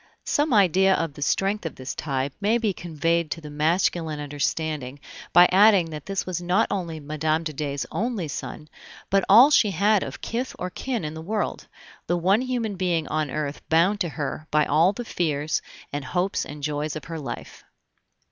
Some idea of the strength of this tie may be conveyed to the masculine understanding by adding that this was not only Mme. de Dey's only son, but all she had of kith or kin in the world, the one human being on earth bound to her by all the fears and hopes and joys of her life.